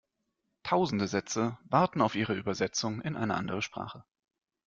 Tausende Sätze warten auf ihre Übersetzung in eine andere Sprache.